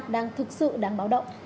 đang thực sự đáng báo động